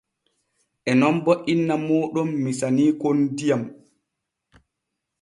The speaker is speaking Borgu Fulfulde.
En non bo inna mooɗon misaniikon diyam.